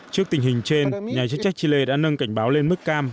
trước tình hình trên nhà chức trách chile đã nâng cảnh báo lên mức cam